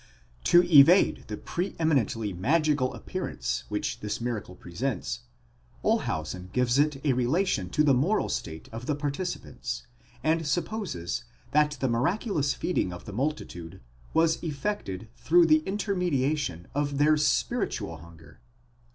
To evade the pre eminently magical appearance which this miracle presents, Olshausen gives it a relation to the moral state of the participants, and sup poses that the miraculous feeding of the multitude was effected through the intermediation of their spiritual hunger.